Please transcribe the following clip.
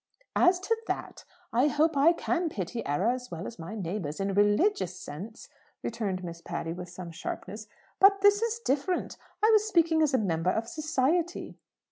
"As to that, I hope I can pity error as well as my neighbours in a religious sense," returned Miss Patty with some sharpness. "But this is different. I was speaking as a member of society."